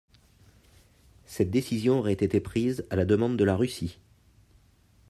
Cette décision aurait été prise à la demande de la Russie.